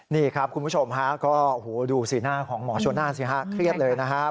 นี่ครับคุณผู้ชมฮะก็ดูสีหน้าของหมอชนน่าสิฮะเครียดเลยนะครับ